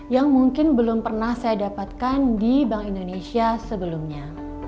yang mungkin belum pernah saya dapatkan di bank indonesia sebelumnya